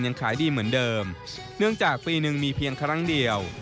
ยังขายดีเหมือนเดิมเนื่องจากปีหนึ่งมีเพียงครั้งเดียว